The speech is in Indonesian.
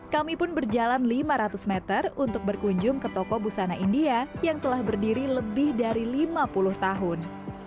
kami pun berjalan lima ratus meter untuk berkunjung ke toko busana india yang telah berdiri lebih dari lima puluh tahun